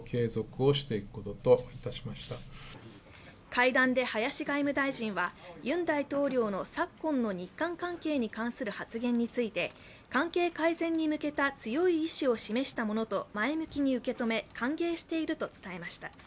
会談で林外務大臣はユン大統領の昨今の日韓関係に関する発言について、関係改善に向けた強い意思を示したものと歓迎していると伝えました。